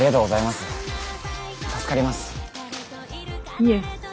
いえ。